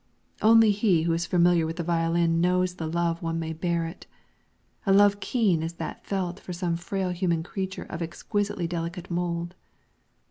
Only he who is familiar with the violin knows the love one may bear it a love keen as that felt for some frail human creature of exquisitely delicate mold.